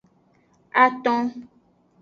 Aton.